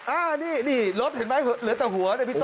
อ้านี่นี่รถเห็นไหมเหลือแต่หัวพี่ต้น